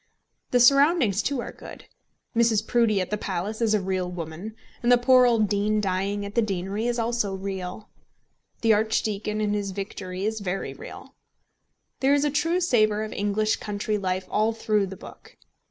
The surroundings too are good. Mrs. Proudie at the palace is a real woman; and the poor old warden dying at the deanery is also real. The archdeacon in his victory is very real. There is a true savour of English country life all through the book.